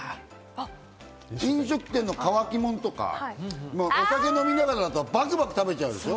飲食店の乾きものとか、お酒飲みながらだと、バクバク食べちゃう。